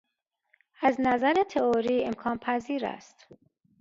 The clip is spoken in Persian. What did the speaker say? از نظر تئوری امکان پذیر است.